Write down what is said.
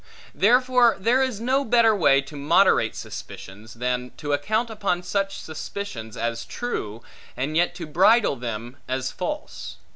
Therefore there is no better way, to moderate suspicions, than to account upon such suspicions as true, and yet to bridle them as false.